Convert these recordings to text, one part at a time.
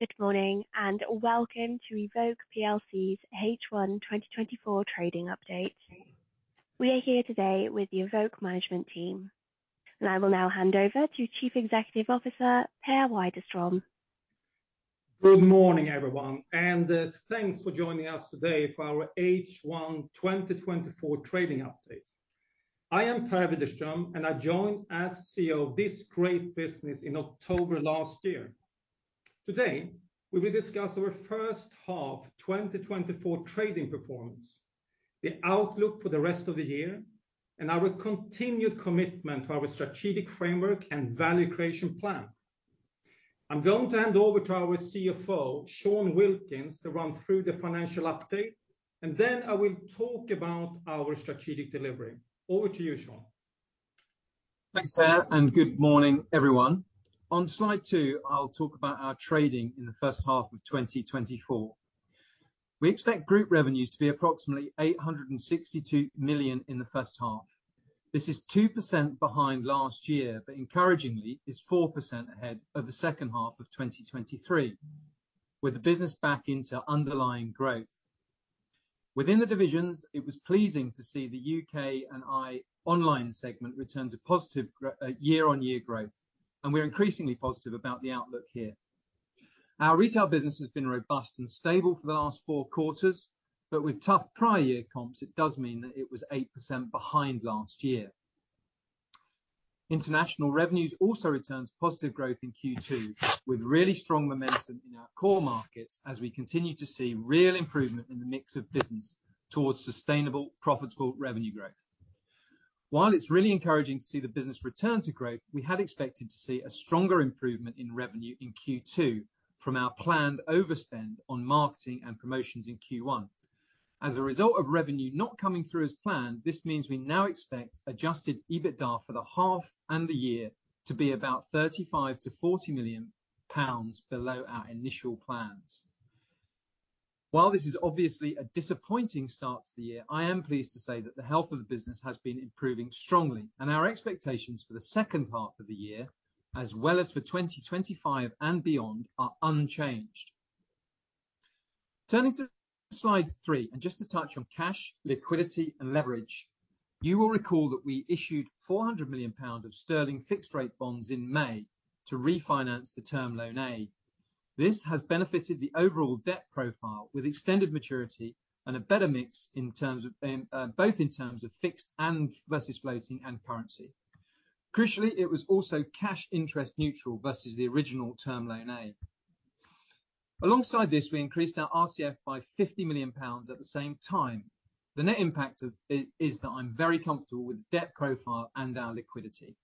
Good morning, and welcome to evoke plc's H1 2024 trading update. We are here today with the evoke management team, and I will now hand over to Chief Executive Officer, Per Widerström. Good morning, everyone, and thanks for joining us today for our H1 2024 trading update. I am Per Widerström, and I joined as CEO of this great business in October last year. Today, we will discuss our first half 2024 trading performance, the outlook for the rest of the year, and our continued commitment to our strategic framework and Value Creation Plan. I'm going to hand over to our CFO, Sean Wilkins, to run through the financial update, and then I will talk about our strategic delivery. Over to you, Sean. Thanks, Per, and good morning, everyone. On slide two, I'll talk about our trading in the first half of 2024. We expect group revenues to be approximately 862 million in the first half. This is 2% behind last year, but encouragingly, is 4% ahead of the second half of 2023, with the business back into underlying growth. Within the divisions, it was pleasing to see the U.K. and Ireland online segment returned to positive year-on-year growth, and we're increasingly positive about the outlook here. Our retail business has been robust and stable for the last four quarters, but with tough prior year comps, it does mean that it was 8% behind last year. International revenues also returned to positive growth in Q2, with really strong momentum in our core markets as we continue to see real improvement in the mix of business towards sustainable, profitable revenue growth. While it's really encouraging to see the business return to growth, we had expected to see a stronger improvement in revenue in Q2 from our planned overspend on marketing and promotions in Q1. As a result of revenue not coming through as planned, this means we now expect Adjusted EBITDA for the half and the year to be about 35 million-40 million pounds below our initial plans. While this is obviously a disappointing start to the year, I am pleased to say that the health of the business has been improving strongly, and our expectations for the second half of the year, as well as for 2025 and beyond, are unchanged. Turning to slide three, and just to touch on cash, liquidity, and leverage. You will recall that we issued 400 million of sterling fixed rate bonds in May to refinance the Term Loan A. This has benefited the overall debt profile with extended maturity and a better mix in terms of both in terms of fixed and versus floating and currency. Crucially, it was also cash interest neutral versus the original Term Loan A. Alongside this, we increased our RCF by 50 million pounds at the same time. The net impact of it is that I'm very comfortable with the debt profile and our liquidity.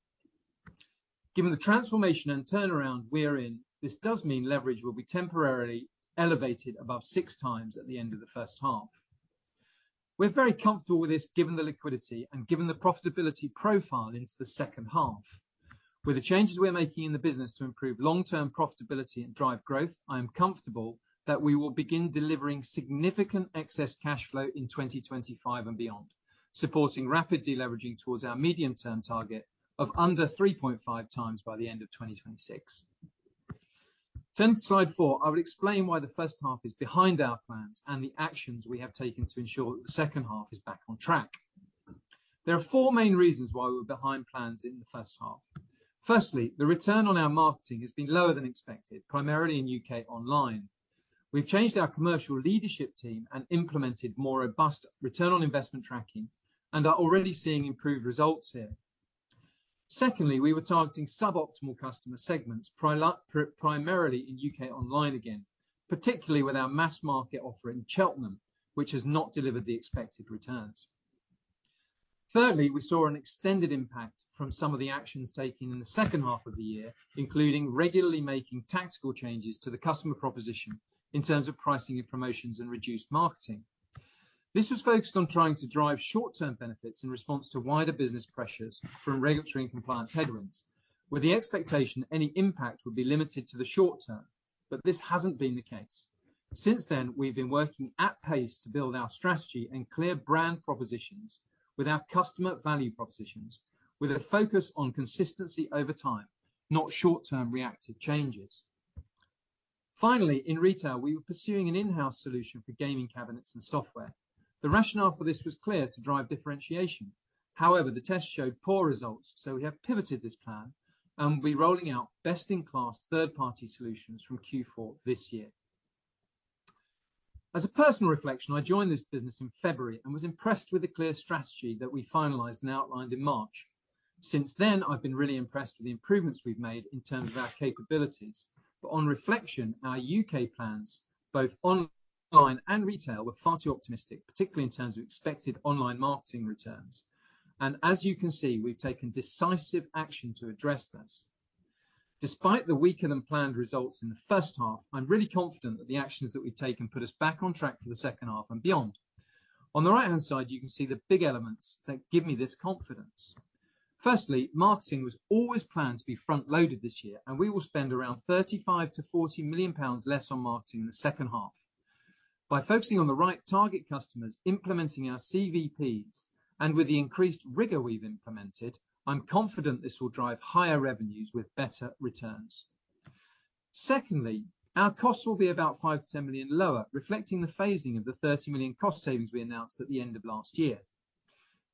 Given the transformation and turnaround we're in, this does mean leverage will be temporarily elevated above 6x at the end of the first half. We're very comfortable with this, given the liquidity and given the profitability profile into the second half. With the changes we're making in the business to improve long-term profitability and drive growth, I am comfortable that we will begin delivering significant excess cash flow in 2025 and beyond, supporting rapid deleveraging towards our medium-term target of under 3.5x by the end of 2026. Turning to slide 4, I will explain why the first half is behind our plans and the actions we have taken to ensure that the second half is back on track. There are four main reasons why we're behind plans in the first half. Firstly, the return on our marketing has been lower than expected, primarily in U.K. online. We've changed our commercial leadership team and implemented more robust return on investment tracking and are already seeing improved results here. Secondly, we were targeting sub-optimal customer segments, primarily in U.K. online again, particularly with our mass market offer in Cheltenham, which has not delivered the expected returns. Thirdly, we saw an extended impact from some of the actions taken in the second half of the year, including regularly making tactical changes to the customer proposition in terms of pricing and promotions and reduced marketing. This was focused on trying to drive short-term benefits in response to wider business pressures from regulatory and compliance headwinds, with the expectation any impact would be limited to the short term, but this hasn't been the case. Since then, we've been working at pace to build our strategy and clear brand propositions with our customer value propositions, with a focus on consistency over time, not short-term reactive changes. Finally, in retail, we were pursuing an in-house solution for gaming cabinets and software. The rationale for this was clear: to drive differentiation. However, the test showed poor results, so we have pivoted this plan and we're rolling out best-in-class third-party solutions from Q4 this year. As a personal reflection, I joined this business in February and was impressed with the clear strategy that we finalized and outlined in March. Since then, I've been really impressed with the improvements we've made in terms of our capabilities, but on reflection, our U.K. plans, both online and retail, were far too optimistic, particularly in terms of expected online marketing returns. As you can see, we've taken decisive action to address this. Despite the weaker-than-planned results in the first half, I'm really confident that the actions that we've taken put us back on track for the second half and beyond. On the right-hand side, you can see the big elements that give me this confidence. Firstly, marketing was always planned to be front-loaded this year, and we will spend around 35 million-40 million pounds less on marketing in the second half. By focusing on the right target customers, implementing our CVPs, and with the increased rigor we've implemented, I'm confident this will drive higher revenues with better returns. Secondly, our costs will be about 5 million-7 million lower, reflecting the phasing of the 30 million cost savings we announced at the end of last year.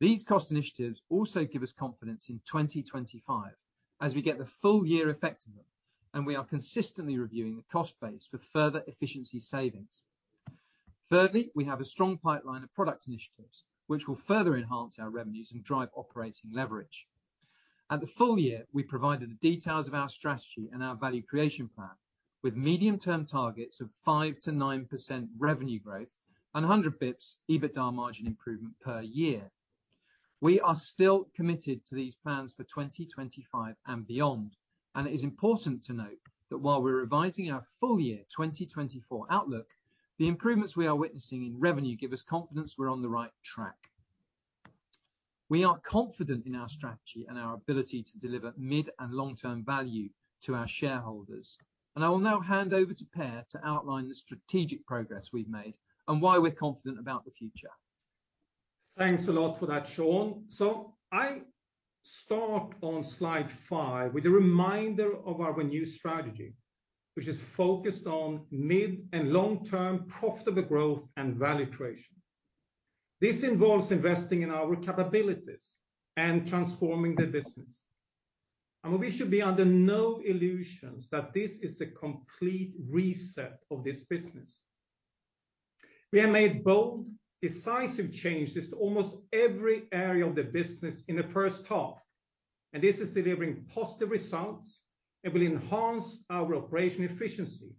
These cost initiatives also give us confidence in 2025 as we get the full year effect of them, and we are consistently reviewing the cost base for further efficiency savings. Thirdly, we have a strong pipeline of product initiatives, which will further enhance our revenues and drive operating leverage. At the full year, we provided the details of our strategy and our Value Creation Plan, with medium-term targets of 5%-9% revenue growth and 100 bps EBITDA margin improvement per year. We are still committed to these plans for 2025 and beyond, and it is important to note that while we're revising our full year 2024 outlook, the improvements we are witnessing in revenue give us confidence we're on the right track. We are confident in our strategy and our ability to deliver mid- and long-term value to our shareholders, and I will now hand over to Per to outline the strategic progress we've made and why we're confident about the future. Thanks a lot for that, Sean. So I start on slide five with a reminder of our renewed strategy, which is focused on mid and long-term profitable growth and value creation. This involves investing in our capabilities and transforming the business. We should be under no illusions that this is a complete reset of this business. We have made bold, decisive changes to almost every area of the business in the first half, and this is delivering positive results and will enhance our operational efficiency,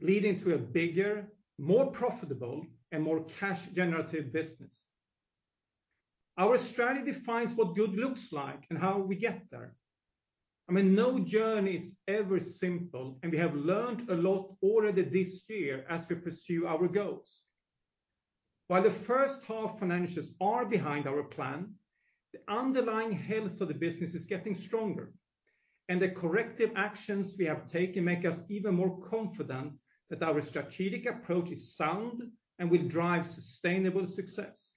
leading to a bigger, more profitable, and more cash generative business. Our strategy defines what good looks like and how we get there. I mean, no journey is ever simple, and we have learned a lot already this year as we pursue our goals. While the first half financials are behind our plan, the underlying health of the business is getting stronger, and the corrective actions we have taken make us even more confident that our strategic approach is sound and will drive sustainable success.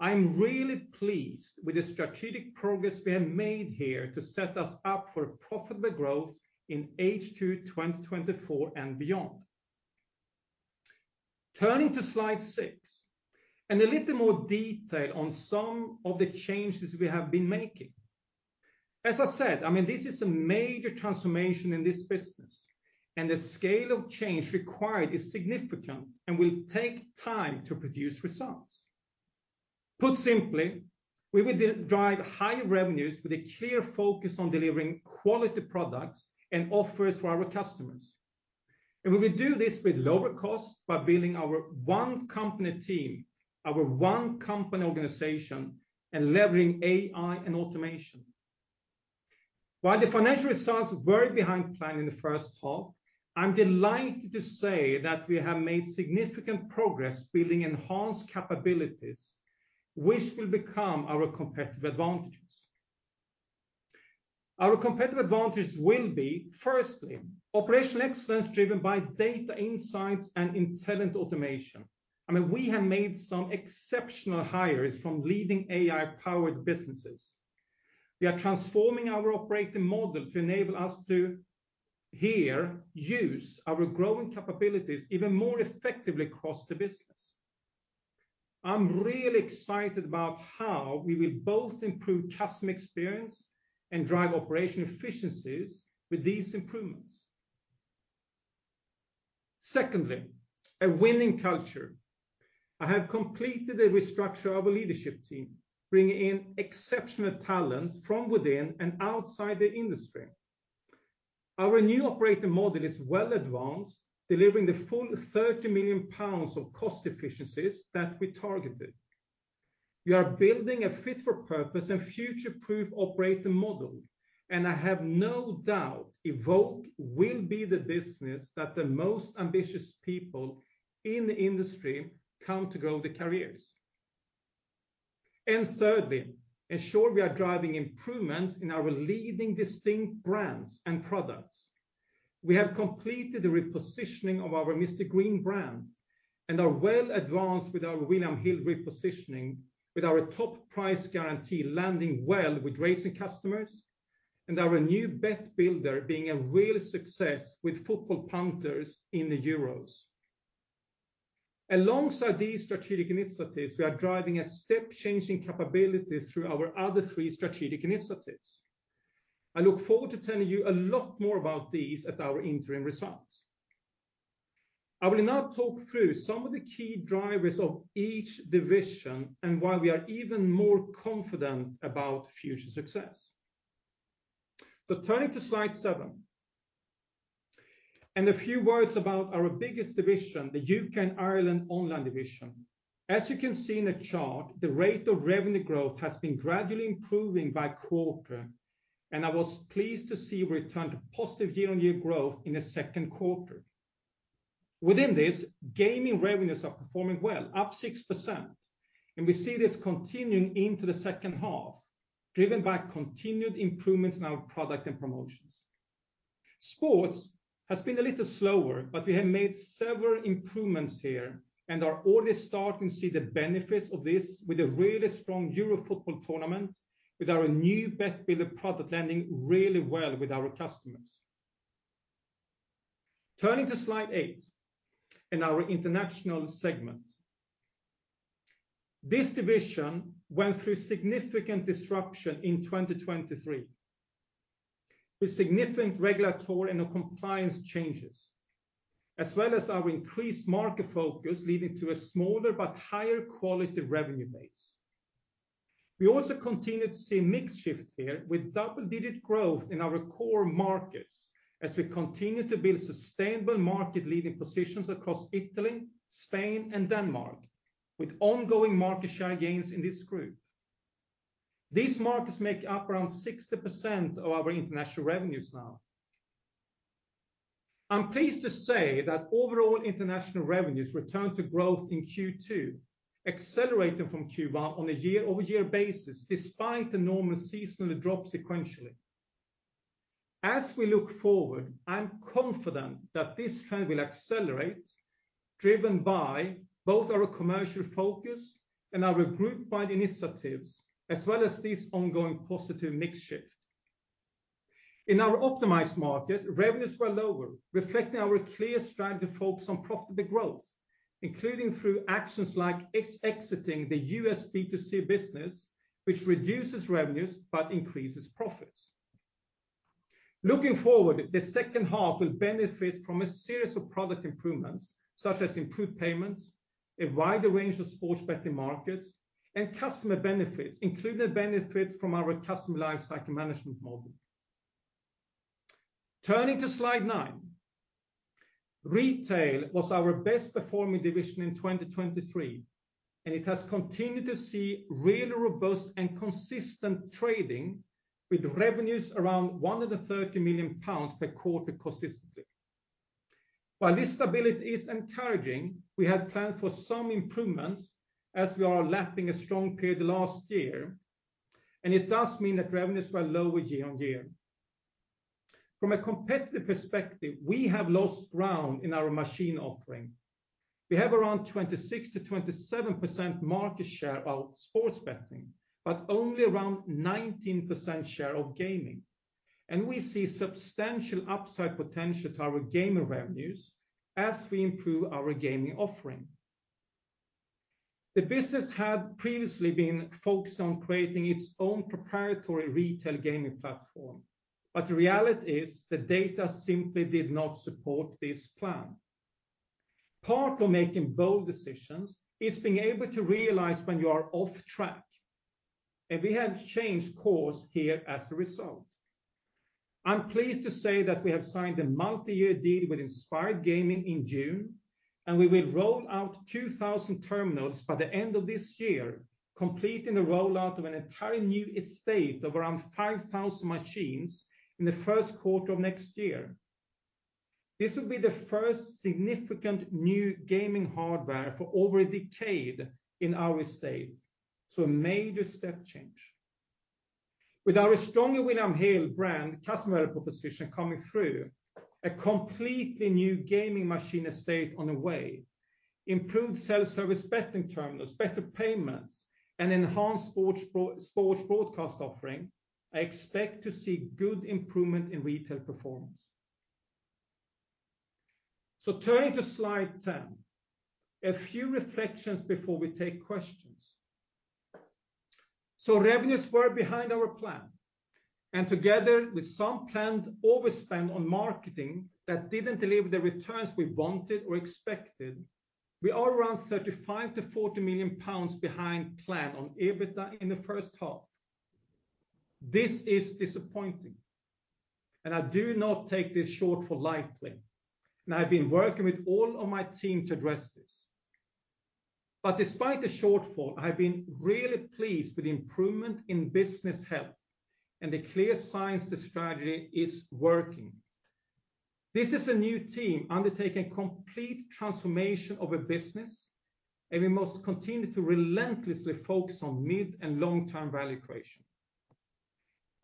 I'm really pleased with the strategic progress we have made here to set us up for profitable growth in H2 2024 and beyond. Turning to slide 6, and a little more detail on some of the changes we have been making. As I said, I mean, this is a major transformation in this business, and the scale of change required is significant and will take time to produce results. Put simply, we will drive higher revenues with a clear focus on delivering quality products and offers for our customers. We will do this with lower costs by building our one company team, our one company organization, and leveraging AI and automation. While the financial results were behind plan in the first half, I'm delighted to say that we have made significant progress building enhanced capabilities, which will become our competitive advantages. Our competitive advantages will be, firstly, operational excellence driven by data, insights, and intelligent automation. I mean, we have made some exceptional hires from leading AI-powered businesses. We are transforming our operating model to enable us to, here, use our growing capabilities even more effectively across the business. I'm really excited about how we will both improve customer experience and drive operational efficiencies with these improvements. Secondly, a winning culture. I have completed a restructure of our leadership team, bringing in exceptional talents from within and outside the industry. Our new operating model is well advanced, delivering the full 30 million pounds of cost efficiencies that we targeted. We are building a fit-for-purpose and future-proof operating model, and I have no doubt evoke will be the business that the most ambitious people in the industry come to grow their careers. And thirdly, ensure we are driving improvements in our leading distinct brands and products. We have completed the repositioning of our Mr Green brand and are well advanced with our William Hill repositioning, with our Top Price Guarantee landing well with racing customers and our new Bet Builder being a real success with football punters in the Euros. Alongside these strategic initiatives, we are driving a step change in capabilities through our other three strategic initiatives. I look forward to telling you a lot more about these at our interim results. I will now talk through some of the key drivers of each division and why we are even more confident about future success. So turning to slide 7, and a few words about our biggest division, the U.K. and Ireland online division. As you can see in the chart, the rate of revenue growth has been gradually improving by quarter, and I was pleased to see a return to positive year-on-year growth in the second quarter. Within this, gaming revenues are performing well, up 6%, and we see this continuing into the second half, driven by continued improvements in our product and promotions. Sports has been a little slower, but we have made several improvements here, and are already starting to see the benefits of this with a really strong Euro football tournament, with our new Bet Builder product landing really well with our customers. Turning to slide 8 in our international segment. This division went through significant disruption in 2023, with significant regulatory and compliance changes, as well as our increased market focus, leading to a smaller but higher quality revenue base. We also continued to see a mix shift here, with double-digit growth in our core markets as we continue to build sustainable market-leading positions across Italy, Spain, and Denmark, with ongoing market share gains in this group. These markets make up around 60% of our international revenues now. I'm pleased to say that overall international revenues returned to growth in Q2, accelerating from Q1 on a year-over-year basis, despite the normal seasonal drop sequentially. As we look forward, I'm confident that this trend will accelerate, driven by both our commercial focus and our group-wide initiatives, as well as this ongoing positive mix shift. In our optimized market, revenues were lower, reflecting our clear drive to focus on profitable growth, including through actions like exiting the U.S. B2C business, which reduces revenues but increases profits. Looking forward, the second half will benefit from a series of product improvements, such as improved payments, a wider range of sports betting markets, and customer benefits, including benefits from our customer life cycle management model. Turning to slide 9. Retail was our best performing division in 2023, and it has continued to see really robust and consistent trading, with revenues around 130 million pounds per quarter consistently. While this stability is encouraging, we had planned for some improvements as we are lapping a strong period last year, and it does mean that revenues were lower year-on-year. From a competitive perspective, we have lost ground in our machine offering. We have around 26%-27% market share of sports betting, but only around 19% share of gaming, and we see substantial upside potential to our gaming revenues as we improve our gaming offering. The business had previously been focused on creating its own proprietary retail gaming platform, but the reality is, the data simply did not support this plan. Part of making bold decisions is being able to realize when you are off track, and we have changed course here as a result. I'm pleased to say that we have signed a multi-year deal with Inspired Gaming in June, and we will roll out 2,000 terminals by the end of this year, completing the rollout of an entire new estate of around 5,000 machines in the first quarter of next year. This will be the first significant new gaming hardware for over a decade in our estate, so a major step change. With our stronger William Hill brand customer proposition coming through, a completely new gaming machine estate on the way, improved self-service betting terminals, better payments, and enhanced sports broadcast offering, I expect to see good improvement in retail performance. So turning to slide 10, a few reflections before we take questions. So revenues were behind our plan, and together with some planned overspend on marketing that didn't deliver the returns we wanted or expected, we are around 35 million-40 million pounds behind plan on EBITDA in the first half. This is disappointing, and I do not take this shortfall lightly, and I've been working with all of my team to address this. But despite the shortfall, I've been really pleased with the improvement in business health and the clear signs the strategy is working. This is a new team undertaking complete transformation of a business, and we must continue to relentlessly focus on mid- and long-term value creation.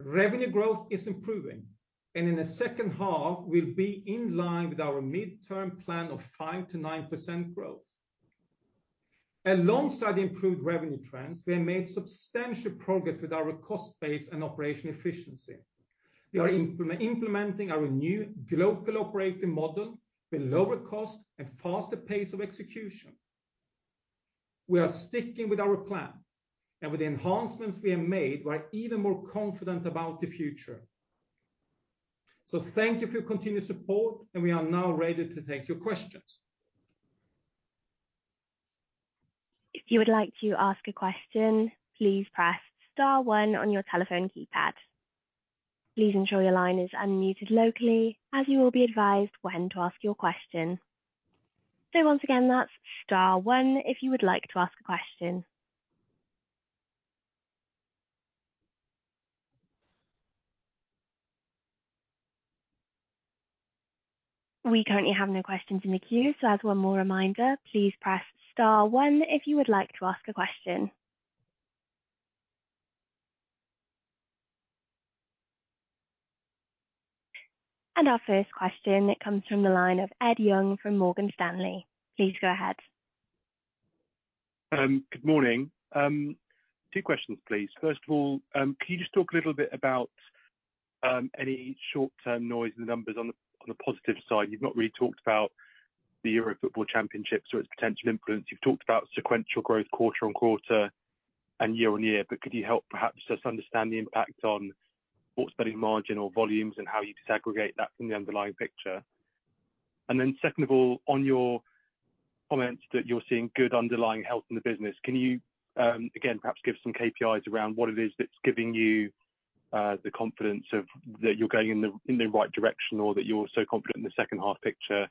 Revenue growth is improving, and in the second half, we'll be in line with our midterm plan of 5%-9% growth. Alongside the improved revenue trends, we have made substantial progress with our cost base and operational efficiency. We are implementing our new global operating model with lower cost and faster pace of execution. We are sticking with our plan, and with the enhancements we have made, we are even more confident about the future. So thank you for your continued support, and we are now ready to take your questions. If you would like to ask a question, please press star one on your telephone keypad. Please ensure your line is unmuted locally, as you will be advised when to ask your question. So once again, that's star one, if you would like to ask a question. We currently have no questions in the queue, so as one more reminder, please press star one if you would like to ask a question. And our first question, it comes from the line of Ed Young from Morgan Stanley. Please go ahead. Good morning. Two questions, please. First of all, can you just talk a little bit about any short-term noise in the numbers on the positive side? You've not really talked about the Euro Football Championship, so its potential influence. You've talked about sequential growth quarter-on-quarter and year-on-year, but could you help perhaps just understand the impact on sports betting margin or volumes, and how you disaggregate that from the underlying picture? Secondly of all, on your comments that you're seeing good underlying health in the business, can you again perhaps give some KPIs around what it is that's giving you the confidence that you're going in the right direction, or that you're so confident in the second half picture,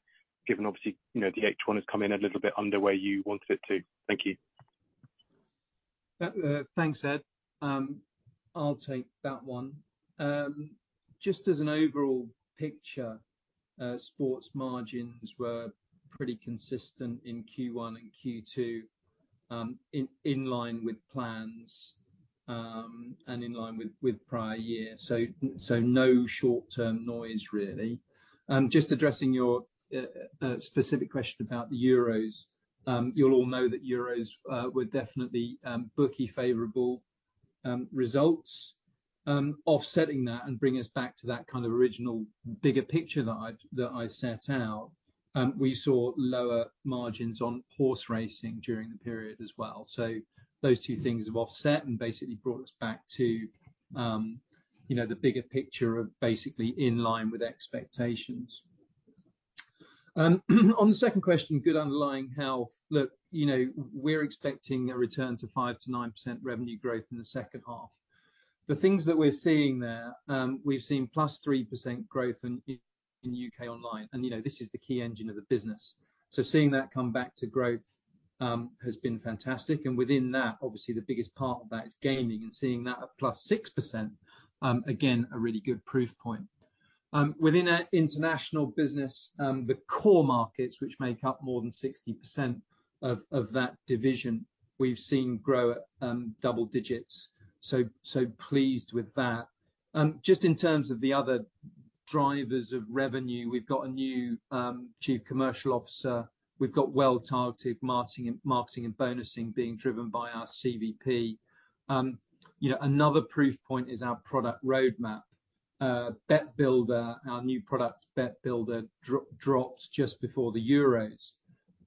given obviously, you know, the H1 has come in a little bit under where you wanted it to? Thank you. Thanks, Ed. I'll take that one. Just as an overall picture, sports margins were pretty consistent in Q1 and Q2, in line with plans, and in line with prior year, so no short-term noise really. Just addressing your specific question about the Euros. You'll all know that Euros were definitely bookie favorable results. Offsetting that and bringing us back to that kind of original bigger picture that I set out, we saw lower margins on horse racing during the period as well. So those two things have offset and basically brought us back to, you know, the bigger picture of basically in line with expectations. On the second question, good underlying health. Look, you know, we're expecting a return to 5%-9% revenue growth in the second half. The things that we're seeing there, we've seen +3% growth in U.K. online, and, you know, this is the key engine of the business. So seeing that come back to growth has been fantastic, and within that, obviously the biggest part of that is gaming, and seeing that at +6% again, a really good proof point. Within our international business, the core markets, which make up more than 60% of that division, we've seen grow at double digits, so, so pleased with that. Just in terms of the other drivers of revenue, we've got a new Chief Commercial Officer. We've got well-targeted marketing and marketing and bonusing being driven by our CVP. You know, another proof point is our product roadmap. Bet Builder, our new product, Bet Builder, dropped just before the Euros.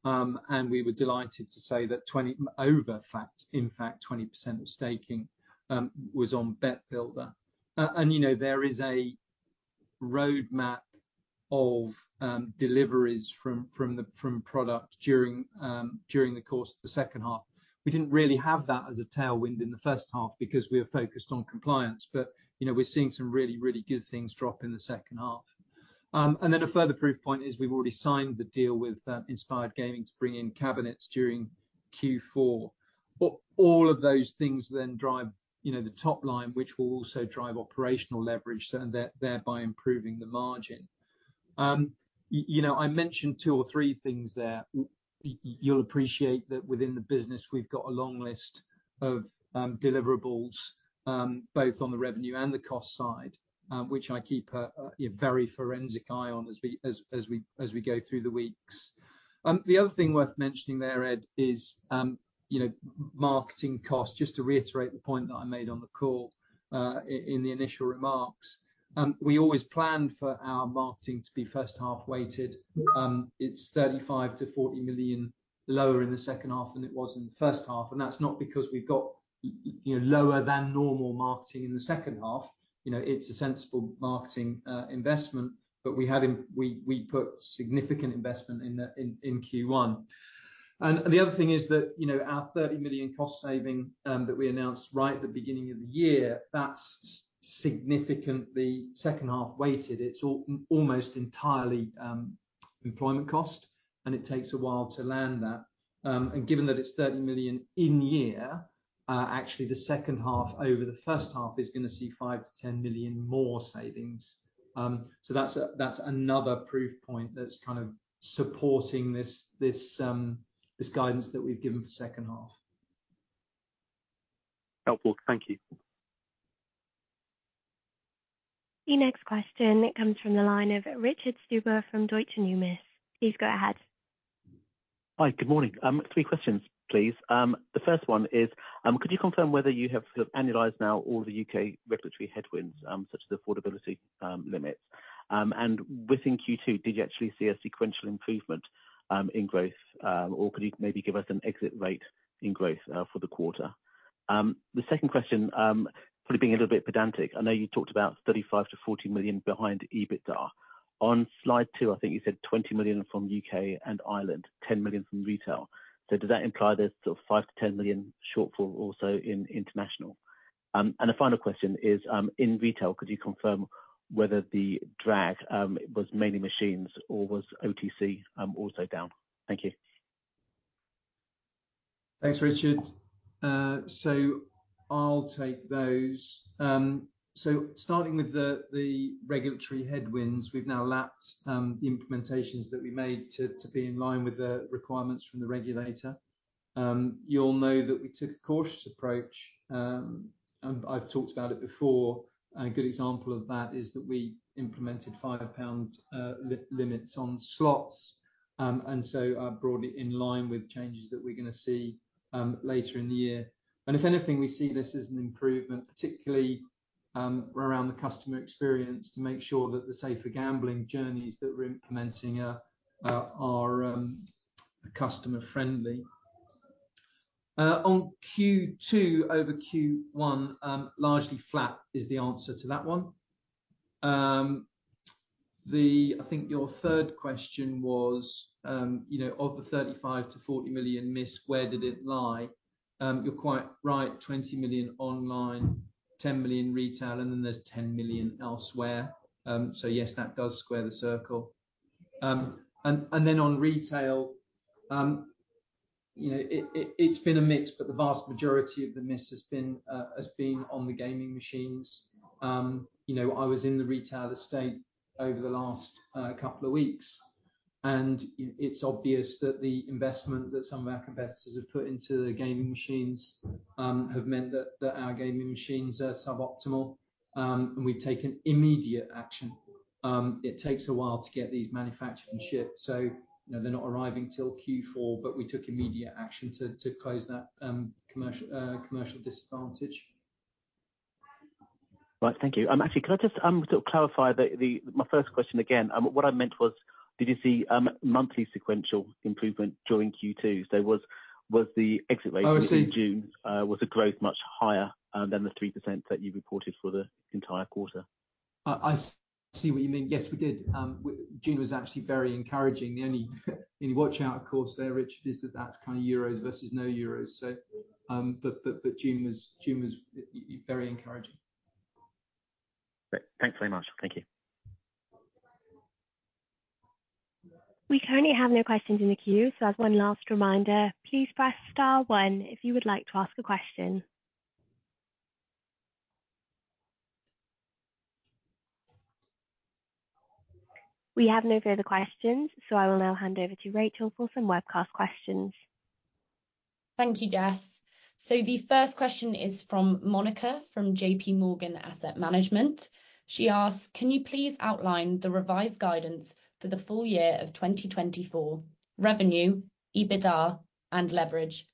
And we were delighted to say that, in fact, 20% of staking was on Bet Builder. And, you know, there is a roadmap of deliveries from product during the course of the second half. We didn't really have that as a tailwind in the first half because we were focused on compliance, but, you know, we're seeing some really, really good things drop in the second half. And then a further proof point is we've already signed the deal with Inspired Gaming to bring in cabinets during Q4. All, all of those things then drive, you know, the top line, which will also drive operational leverage and thereby improving the margin. You know, I mentioned two or three things there. You'll appreciate that within the business, we've got a long list of deliverables, both on the revenue and the cost side, which I keep a very forensic eye on as we go through the weeks. The other thing worth mentioning there, Ed, is, you know, marketing costs. Just to reiterate the point that I made on the call, in the initial remarks. We always plan for our marketing to be first half weighted. It's 35 million-40 million lower in the second half than it was in the first half, and that's not because we've got you know, lower than normal marketing in the second half. You know, it's a sensible marketing investment, but we had we put significant investment in Q1. And the other thing is that, you know, our 30 million cost saving that we announced right at the beginning of the year, that's significantly second half weighted. It's almost entirely employment cost, and it takes a while to land that. And given that it's 30 million in year, actually the second half over the first half is gonna see 5 million-10 million more savings. So that's another proof point that's kind of supporting this guidance that we've given for second half. Helpful. Thank you. The next question comes from the line of Richard Stuber from Deutsche Numis. Please go ahead. Hi, good morning. Three questions, please. The first one is, could you confirm whether you have sort of annualized now all the U.K. regulatory headwinds, such as the affordability limits? And within Q2, did you actually see a sequential improvement in growth? Or could you maybe give us an exit rate in growth for the quarter? The second question, probably being a little bit pedantic, I know you talked about 35 million-40 million behind EBITDA. On slide 2, I think you said 20 million from U.K. and Ireland, 10 million from retail. So does that imply there's a 5 million-10 million shortfall also in international? And the final question is, in retail, could you confirm whether the drag was mainly machines or was OTC also down? Thank you. Thanks, Richard. So I'll take those. Starting with the regulatory headwinds, we've now lapped the implementations that we made to be in line with the requirements from the regulator. You'll know that we took a cautious approach, and I've talked about it before, and a good example of that is that we implemented 5 pound limits on slots. And so, broadly in line with changes that we're gonna see later in the year. And if anything, we see this as an improvement, particularly around the customer experience, to make sure that the safer gambling journeys that we're implementing are customer friendly. On Q2 over Q1, largely flat is the answer to that one. I think your third question was, you know, of the 35 million-40 million miss, where did it lie? You're quite right, 20 million online, 10 million retail, and then there's 10 million elsewhere. So yes, that does square the circle. And then on retail, you know, it's been a miss, but the vast majority of the miss has been on the gaming machines. You know, I was in the retail estate over the last couple of weeks, and it's obvious that the investment that some of our competitors have put into the gaming machines have meant that our gaming machines are suboptimal, and we've taken immediate action. It takes a while to get these manufactured and shipped, so, you know, they're not arriving till Q4, but we took immediate action to close that commercial disadvantage. Right. Thank you. Actually, could I just sort of clarify my first question again? What I meant was, did you see monthly sequential improvement during Q2? So was the exit rate- Oh, I see. In June, was the growth much higher than the 3% that you reported for the entire quarter? I see what you mean. Yes, we did. June was actually very encouraging. The only, the only watch out, of course, there, Richard, is that that's kind of Euros versus no Euros, so... But June was very encouraging. Great. Thanks very much. Thank you. We currently have no questions in the queue, so as one last reminder, please press star one if you would like to ask a question. We have no further questions, so I will now hand over to Rachel for some webcast questions. Thank you, Jess. The first question is from Monica, from JPMorgan Asset Management. She asks: Can you please outline the revised guidance for the full year of 2024, revenue, EBITDA and leverage?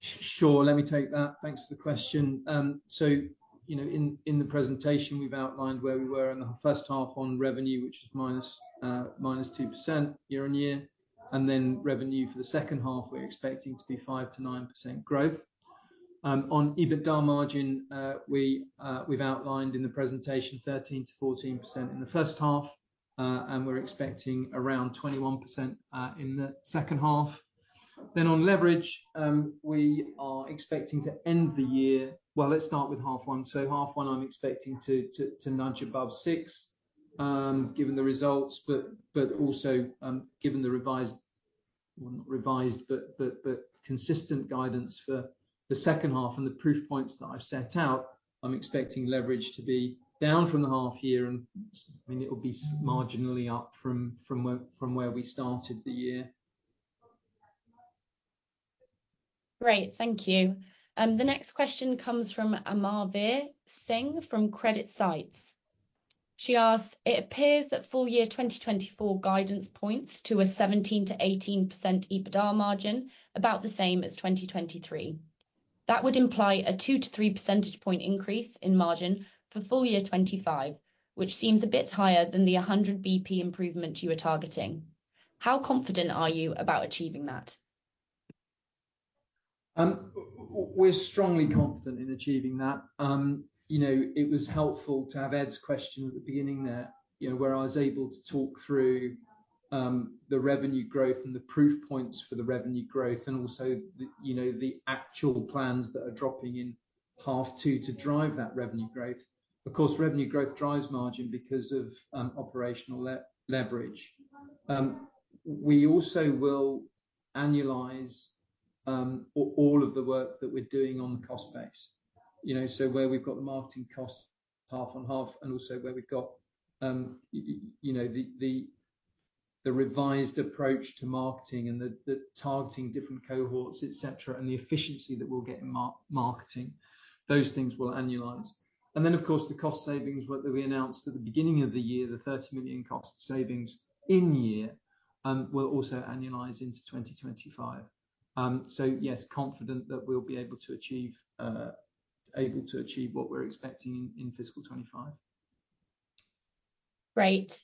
Sure, let me take that. Thanks for the question. So, you know, in the presentation, we've outlined where we were in the first half on revenue, which is -2% year-over-year, and then revenue for the second half, we're expecting to be 5%-9% growth. On EBITDA margin, we've outlined in the presentation 13%-14% in the first half, and we're expecting around 21% in the second half. Then on leverage, we are expecting to end the year. Well, let's start with half one. H1, I'm expecting to nudge above 6, given the results, but also given the revised—well, not revised, but consistent guidance for the second half and the proof points that I've set out, I'm expecting leverage to be down from the half year, and, I mean, it'll be marginally up from where we started the year. Great. Thank you. The next question comes from Amarveer Singh, from CreditSights. She asks: It appears that full year 2024 guidance points to a 17%-18% EBITDA margin, about the same as 2023. That would imply a 2-3 percentage point increase in margin for full year 2025, which seems a bit higher than the 100 BP improvement you were targeting. How confident are you about achieving that? We're strongly confident in achieving that. You know, it was helpful to have Ed's question at the beginning there, you know, where I was able to talk through the revenue growth and the proof points for the revenue growth, and also the, you know, the actual plans that are dropping in half two to drive that revenue growth. Of course, revenue growth drives margin because of operational leverage. We also will annualize all of the work that we're doing on the cost base. You know, so where we've got the marketing costs half on half and also where we've got you know, the revised approach to marketing and the targeting different cohorts, et cetera, and the efficiency that we'll get in marketing, those things will annualize. Then, of course, the cost savings that we announced at the beginning of the year, the 30 million cost savings in year, will also annualize into 2025. So yes, confident that we'll be able to achieve what we're expecting in fiscal 2025. Great.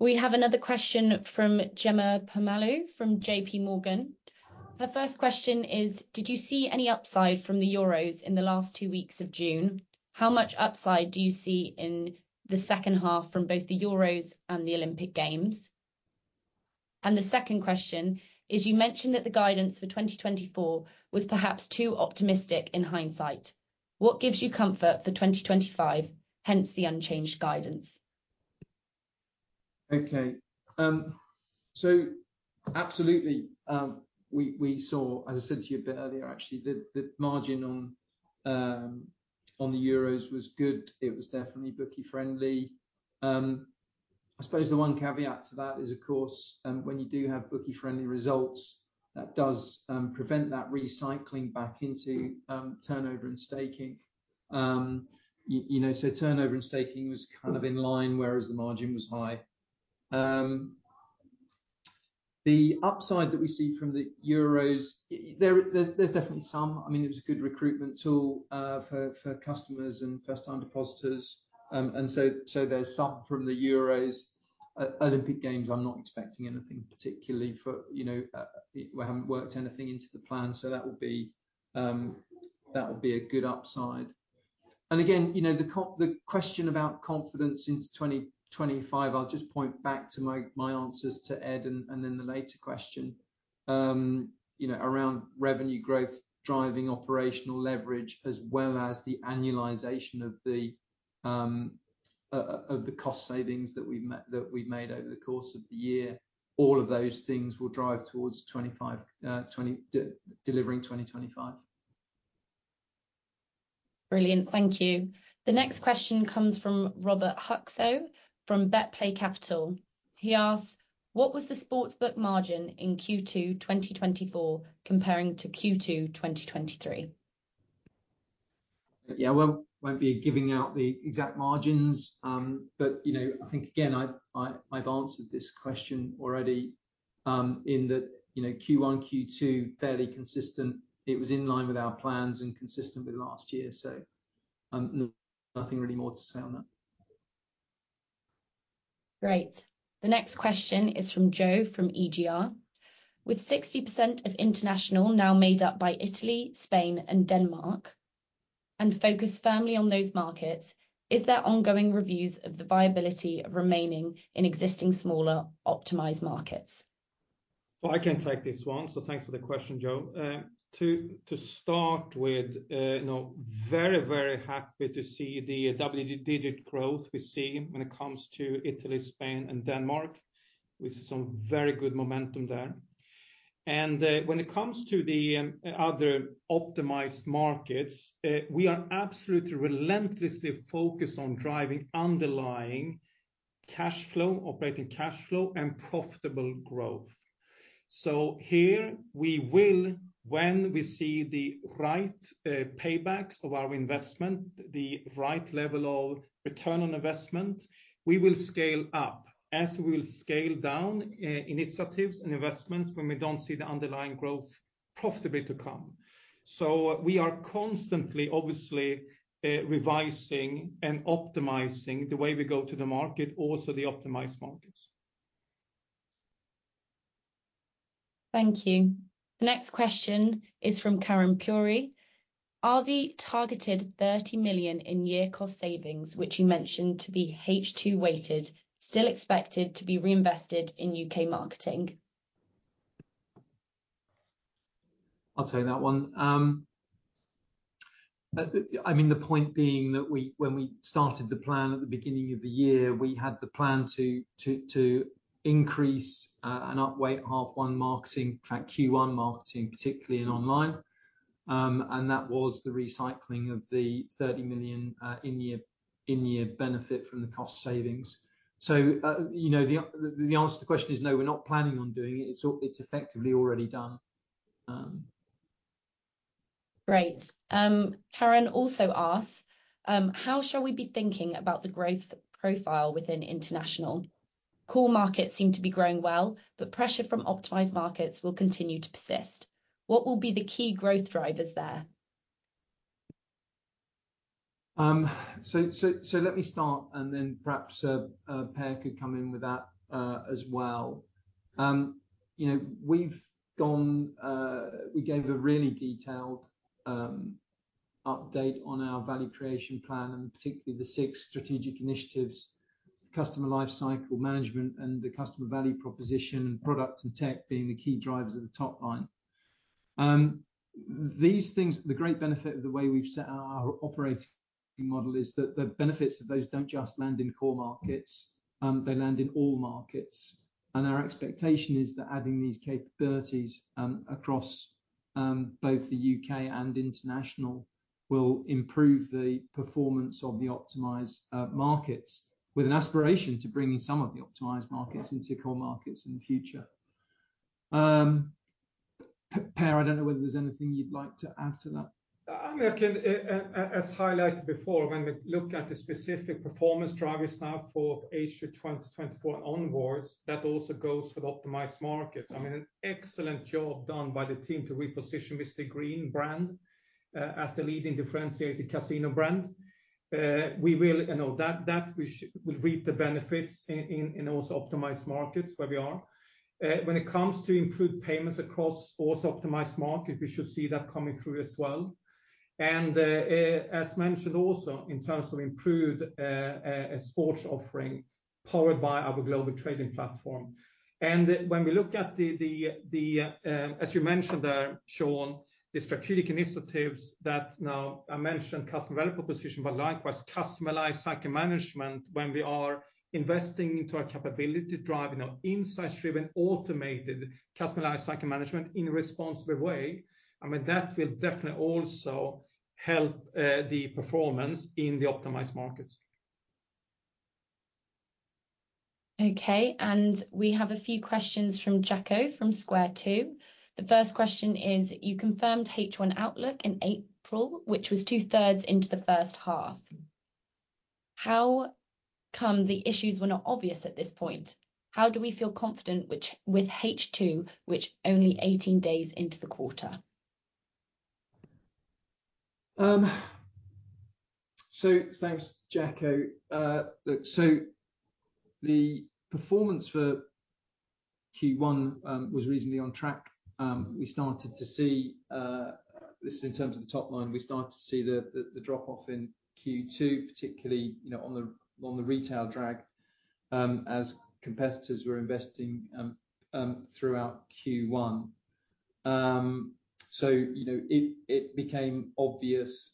We have another question from Jemma Permalloo from JPMorgan. Her first question is: Did you see any upside from the Euros in the last two weeks of June? How much upside do you see in the second half from both the Euros and the Olympic Games? And the second question is: You mentioned that the guidance for 2024 was perhaps too optimistic in hindsight. What gives you comfort for 2025, hence, the unchanged guidance? Okay. So absolutely, we saw, as I said to you a bit earlier, actually, the margin on the Euros was good. It was definitely bookie-friendly. I suppose the one caveat to that is, of course, when you do have bookie-friendly results, that does prevent that recycling back into turnover and staking. You know, so turnover and staking was kind of in line, whereas the margin was high. The upside that we see from the Euros, there's definitely some. I mean, it was a good recruitment tool for customers and first-time depositors. And so there's some from the Euros. Olympic Games, I'm not expecting anything particularly for, you know, we haven't worked anything into the plan, so that would be a good upside. And again, you know, the question about confidence into 2025, I'll just point back to my answers to Ed and then the later question, you know, around revenue growth, driving operational leverage, as well as the annualization of the cost savings that we've made over the course of the year. All of those things will drive towards 2025, delivering 2025. Brilliant. Thank you. The next question comes from Robert Huczko, from Betplay Capital. He asks: What was the sportsbook margin in Q2 2024 comparing to Q2 2023? Yeah, well, won't be giving out the exact margins. But, you know, I think, again, I’ve answered this question already, in that, you know, Q1, Q2, fairly consistent. It was in line with our plans and consistent with last year, so, nothing really more to say on that. Great. The next question is from Joe, from EGR. With 60% of international now made up by Italy, Spain, and Denmark, and focus firmly on those markets, is there ongoing reviews of the viability of remaining in existing smaller, optimized markets? Well, I can take this one, so thanks for the question, Joe. To start with, you know, very, very happy to see the double-digit growth we're seeing when it comes to Italy, Spain, and Denmark. We see some very good momentum there. And when it comes to the other optimized markets, we are absolutely relentlessly focused on driving underlying cash flow, operating cash flow, and profitable growth. So here we will, when we see the right paybacks of our investment, the right level of return on investment, we will scale up as we will scale down initiatives and investments when we don't see the underlying growth profitably to come. So we are constantly, obviously, revising and optimizing the way we go to the market, also the optimized markets. Thank you. The next question is from Karan Puri: Are the targeted 30 million in-year cost savings, which you mentioned to be H2-weighted, still expected to be reinvested in U.K. marketing? I'll take that one. I mean, the point being that we, when we started the plan at the beginning of the year, we had the plan to increase and outweigh H1 marketing, in fact, Q1 marketing, particularly in online. And that was the recycling of the 30 million in-year benefit from the cost savings. So, you know, the answer to the question is no, we're not planning on doing it. It's effectively already done. Great. Karan also asks: How shall we be thinking about the growth profile within international? Core markets seem to be growing well, but pressure from optimized markets will continue to persist. What will be the key growth drivers there? So let me start, and then perhaps Per could come in with that, as well. You know, we've gone. We gave a really detailed update on our Value Creation Plan, and particularly the six strategic initiatives, customer life cycle management and the Customer Value Proposition, and Product and Tech being the key drivers of the top line. These things, the great benefit of the way we've set out our operating model is that the benefits of those don't just land in core markets, they land in all markets. And our expectation is that adding these capabilities, across both the U.K. and international, will improve the performance of the optimized markets, with an aspiration to bring in some of the optimized markets into core markets in the future. Per, I don't know whether there's anything you'd like to add to that? I mean, as highlighted before, when we look at the specific performance drivers now for H2 2024 onwards, that also goes for the optimized markets. I mean, an excellent job done by the team to reposition Mr Green brand as the leading differentiated casino brand. We will, you know, that we will reap the benefits in those optimized markets where we are. When it comes to improved payments across also optimized market, we should see that coming through as well. As mentioned also, in terms of improved sports offering, powered by our global trading platform. When we look at, as you mentioned there, Sean, the strategic initiatives that now I mentioned customer value proposition, but likewise customized segment management, when we are investing into our capability, driving our insight-driven, automated, customized segment management in a responsible way, I mean, that will definitely also help the performance in the optimized markets. Okay, and we have a few questions from Jacco, from SquareTwo. The first question is: You confirmed H1 outlook in April, which was two-thirds into the first half. How come the issues were not obvious at this point? How do we feel confident with H2, which only 18 days into the quarter? So thanks, Jacco. Look, so the performance for Q1 was reasonably on track. We started to see this in terms of the top line. We started to see the drop-off in Q2, particularly, you know, on the retail drag, as competitors were investing throughout Q1. So, you know, it became obvious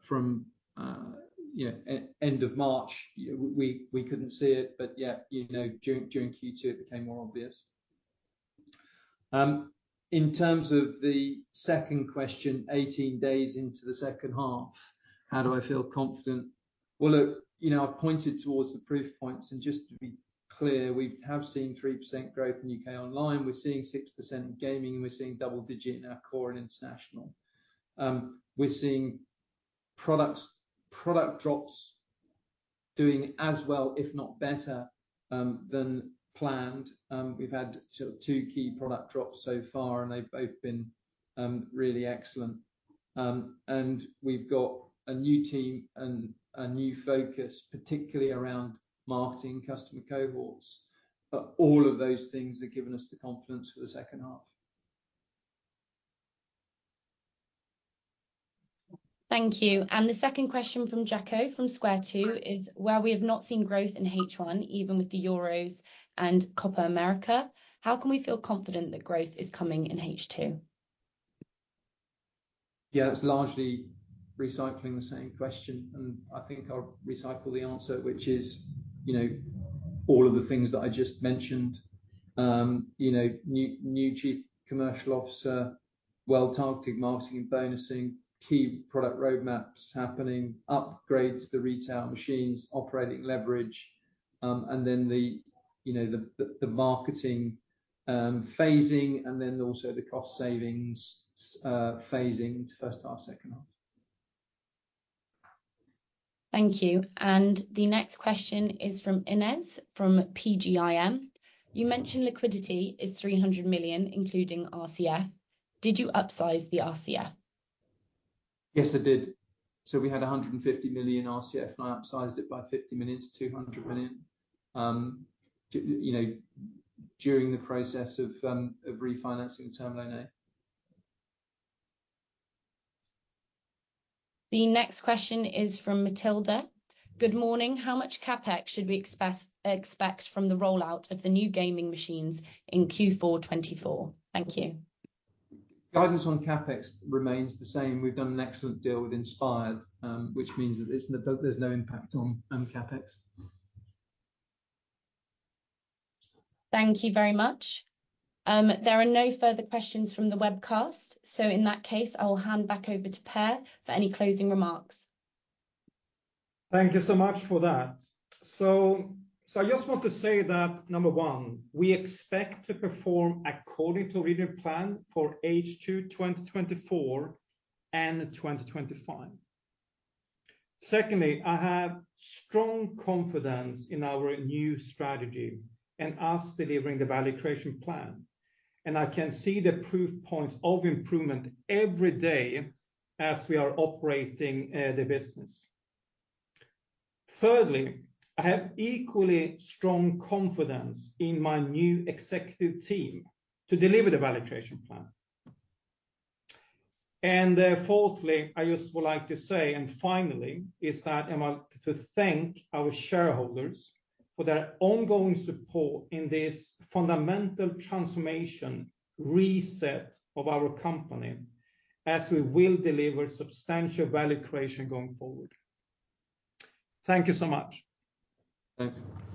from end of March. We couldn't see it, but yeah, you know, during Q2, it became more obvious. In terms of the second question, 18 days into the second half, how do I feel confident? Well, look, you know, I've pointed towards the proof points, and just to be clear, we have seen 3% growth in U.K. online. We're seeing 6% in gaming, and we're seeing double-digit in our core and international. We're seeing products, product drops doing as well, if not better, than planned. We've had sort of two key product drops so far, and they've both been really excellent. We've got a new team and a new focus, particularly around marketing customer cohorts. But all of those things have given us the confidence for the second half. Thank you. And the second question from Jacco, from SquareTwo, is: While we have not seen growth in H1, even with the Euros and Copa America, how can we feel confident that growth is coming in H2? Yeah, it's largely recycling the same question, and I think I'll recycle the answer, which is, you know, all of the things that I just mentioned. You know, new chief commercial officer, well-targeted marketing and bonusing, key product roadmaps happening, upgrades to the retail machines, operating leverage, and then the, you know, the marketing phasing and then also the cost savings phasing to first half, second half. Thank you. The next question is from Inès, from PGIM. You mentioned liquidity is 300 million, including RCF. Did you upsize the RCF? Yes, I did. So we had 150 million RCF, and I upsized it by 50 million to 200 million, you know, during the process of refinancing the Term Loan A. The next question is from Matilda. Good morning. How much CapEx should we expect from the rollout of the new gaming machines in Q4 2024? Thank you. Guidance on CapEx remains the same. We've done an excellent deal with Inspired, which means that there's no, there's no impact on, CapEx. Thank you very much. There are no further questions from the webcast, so in that case, I will hand back over to Per for any closing remarks. Thank you so much for that. So, I just want to say that, number one, we expect to perform according to review plan for H2 2024 and 2025. Secondly, I have strong confidence in our new strategy and us delivering the Value Creation Plan, and I can see the proof points of improvement every day as we are operating the business. Thirdly, I have equally strong confidence in my new executive team to deliver the Value Creation Plan. And, fourthly, I just would like to say, and finally, is that I want to thank our shareholders for their ongoing support in this fundamental transformation reset of our company, as we will deliver substantial value creation going forward. Thank you so much. Thanks.